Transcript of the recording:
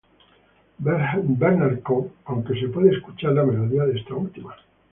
Bernard Cohn", aunque se puede escuchar la melodía de esta última.